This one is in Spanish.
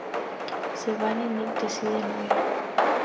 Se van y Nick decide huir.